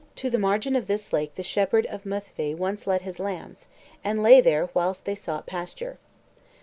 To the margin of this lake the shepherd of Myddvai once led his lambs, and lay there whilst they sought pasture.